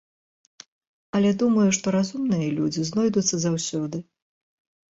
Але думаю, што разумныя людзі знойдуцца заўсёды.